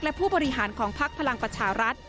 และผู้บริหารของพักพลังประชารัฐ